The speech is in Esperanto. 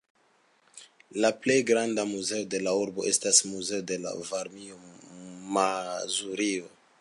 La plej granda muzeo de la urbo estas la "Muzeo de Varmio-Mazurio".